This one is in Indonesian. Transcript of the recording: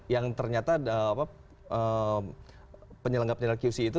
yang ternyata penyelenggara penyelenggara qc itu